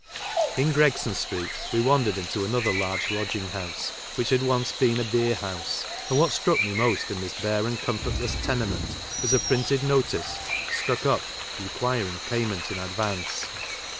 ,,J U . Gr eg3on street we wandered into another large in/^T 6 '! w5llch bad ouce beeu a beerhouse, and what struck me most in this bare and comfort less tenement was a printed notice stuck up requir ing payment tn advance.